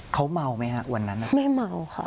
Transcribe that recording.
เขาเมาไหมฮะวันนั้นแม่เมาค่ะ